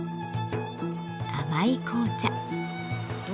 甘い紅茶。